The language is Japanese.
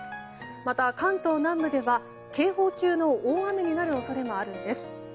また、関東南部では警報級の大雨になる恐れもあるんです。